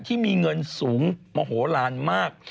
ที่มีเงินสูงโมโหลานมาก